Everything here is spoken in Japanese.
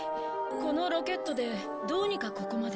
このロケットでどうにかここまで。